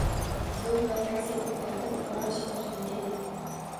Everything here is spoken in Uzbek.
Zo’rg’a taksi to’xtatib falon shifoxonaga dedim.